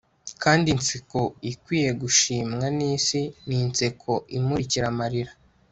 kandi inseko ikwiye gushimwa n'isi ni inseko imurikira amarira